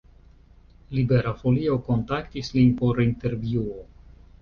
Libera Folio kontaktis lin por intervjuo.